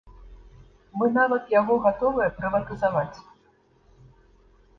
Мы нават яго гатовыя прыватызаваць.